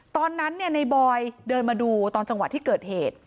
ตอนนั้นในบอยเดินมาดูตอนจังหวะที่เกิดเหตุ